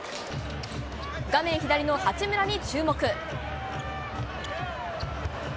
画面左の八村に注目。